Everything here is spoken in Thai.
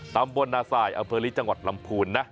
ตำบลนาสายอำเภอลีจังหวัดลำพูนนะ